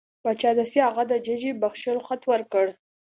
باچا دستي هغه د ججې بخښلو خط ورکړ.